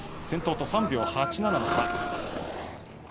先頭と３秒８７の差。